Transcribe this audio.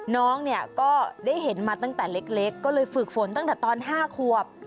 น้องเนี่ยก็ได้เห็นมาตั้งแต่เล็กก็เลยฝึกฝนตั้งแต่ตอน๕ขวบ